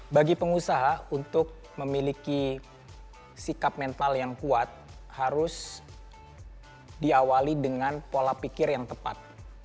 bagi pengusaha untuk memiliki sikap mental yang kuat harus diawali dengan pola pikir yang tepat